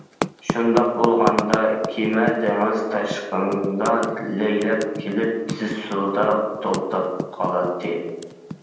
شۇنداق بولغاندا كېمە دېڭىز تاشقىنىدا لەيلەپ كېلىپ تېيىز سۇدا توختاپ قالاتتى.